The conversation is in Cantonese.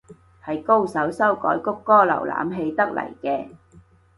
係高手修改谷歌瀏覽器得嚟嘅